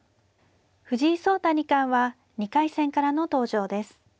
藤井聡太二冠は２回戦からの登場です。